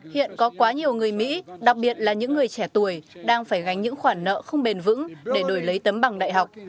hiện có quá nhiều người mỹ đặc biệt là những người trẻ tuổi đang phải gánh những khoản nợ không bền vững để đổi lấy tấm bằng đại học